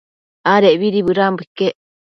Adecbidi bëdanbo iquec